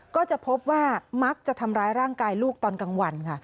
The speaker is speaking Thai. ก็จะพบว่ามักจะทำร้ายร่างกายลูกตอนกลางวันค่ะ